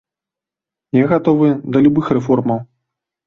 Я гатовы да любых рэформаў.